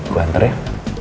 gue hantar ya